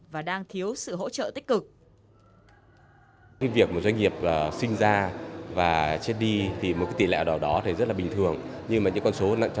và đang thiếu sự hỗ trợ tích cực